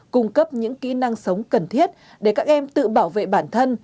cung cấp những kỹ năng sống cần thiết để các em tự bảo vệ bản thân